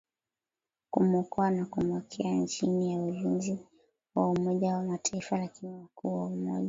kumwokoa na kumweka chini ya ulinzi wa Umoja wa Mataifa lakini wakuu wa Umoja